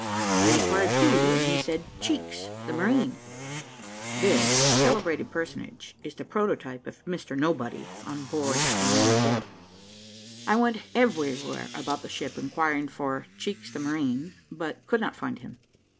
I inquired who, and he said, "Cheeks, the marine." [This celebrated personage is the prototype of Mr Nobody on board of a man of war.] I went everywhere about the ship, inquiring for Cheeks the marine, but could not find him.